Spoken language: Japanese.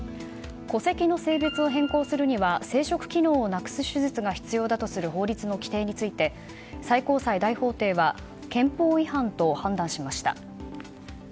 戸籍の性別を変更するには生殖機能をなくす手術が必要だとする法律の規定について最高裁大法廷は憲法違反と判断しました。